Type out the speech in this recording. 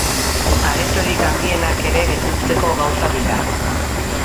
Aretorik handienak ere betetzeko gauza dira.